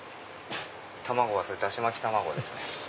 卵はダシ巻き卵ですね。